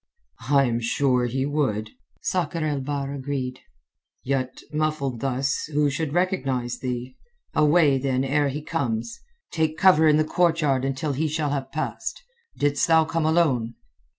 "I am sure he would," Sakr el Bahr agreed. "Yet muffled thus, who should recognize thee? Away, then, ere he comes. Take cover in the courtyard until he shall have passed. Didst thou come alone?"